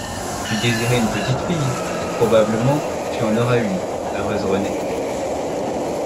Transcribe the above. Tu désirais une petite fille ; probablement tu en auras une, heureuse Renée!